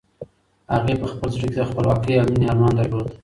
هغې په خپل زړه کې د خپلواکۍ او مېنې ارمان درلود.